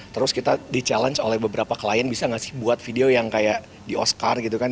terus kita di challenge oleh beberapa klien bisa nggak sih buat video yang kayak di oscar gitu kan